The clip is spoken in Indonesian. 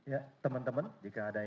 ya teman teman jika ada